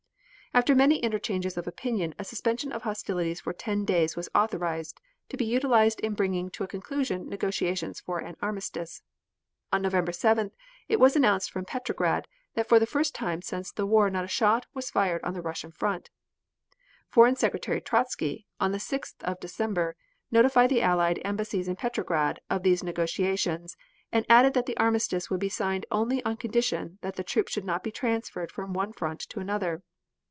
After many interchanges of opinion a suspension of hostilities for ten days was authorized, to be utilized in bringing to a conclusion negotiations for an armistice. On December 7th it was announced from Petrograd that for the first time since the war not a shot was fired on the Russian front. Foreign Secretary Trotzky, on the 6th of December, notified the allied embassies in Petrograd of these negotiations and added that the armistice would be signed only on condition that the troops should not be transferred from one front to another.